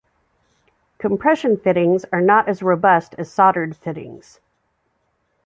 Compression fittings are not as robust as soldered fittings.